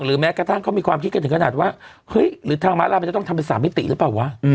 แม้กระทั่งเขามีความคิดกันถึงขนาดว่าเฮ้ยหรือทางม้าลายมันจะต้องทำเป็น๓มิติหรือเปล่าวะ